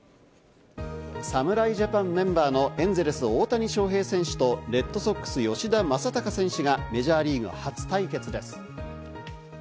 侍ジャパンメンバーのエンゼルス・大谷翔平選手とレッドソックス・吉田正尚選手がメジャーリーグ初対決です。